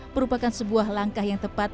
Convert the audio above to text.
merupakan sebuah langkah yang tepat